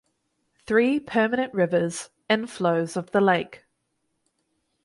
Three permanent rivers inflows of the lake.